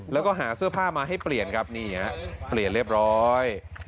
แล้วก็หาเสื้อผ้ามาให้เปลี่ยนครับนี่ฮะเปลี่ยนเรียบร้อย